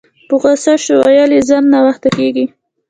په غوسه شوه ویل یې ځم ناوخته کیږي